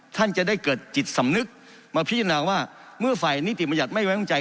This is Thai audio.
ท่านจะได้เกิดจิตสำนึกมาพิจารณาว่าเมื่อฝ่ายนิติบัญญัติไม่ไว้วางใจ